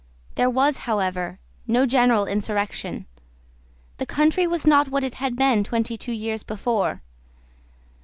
There was, however, no general insurrection. The country was not what it had been twenty two years before.